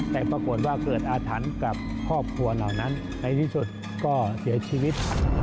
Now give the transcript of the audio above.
แต่ปรากฏว่าเกิดอาถรรพ์กับครอบครัวเหล่านั้นในที่สุดก็เสียชีวิต